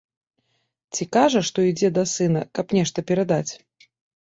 Ці кажа, што ідзе да сына, каб нешта перадаць.